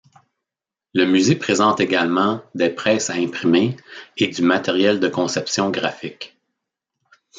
Le musée présente également des presses à imprimer et du matériel de conception graphique.